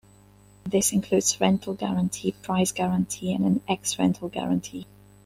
This includes Rental Guarantee, Price Guarantee and an Ex-Rental Guarantee.